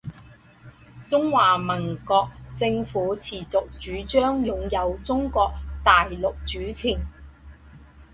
中华民国政府持续主张拥有中国大陆主权